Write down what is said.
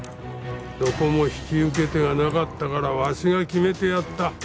どこも引き受け手がなかったからわしが決めてやった。